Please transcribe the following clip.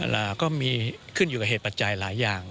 ก็มีขึ้นอยู่กับเหตุปัจจัยหลายอย่าง